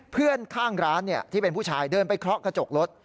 เพื่อนข้างร้านที่เป็นผู้ชายเดินไปเคาะกระจกรถ